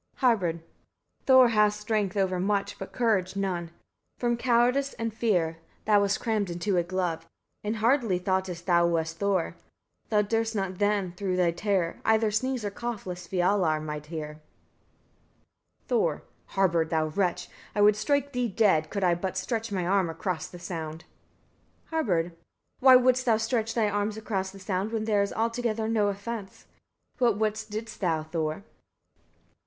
Harbard. 36. Thor has strength over much, but courage none; from cowardice and fear, thou wast crammed into a glove, and hardly thoughtest thou wast Thor. Thou durst not then, through thy terror, either sneeze or cough, lest Fialar it might hear. Thor. 27. Harbard, thou wretch! I would strike thee dead, could I but stretch my arm across the sound. Harbard. 28. Why wouldst thou stretch thy arm across the sound, when there is altogether no offence? But what didst thou, Thor?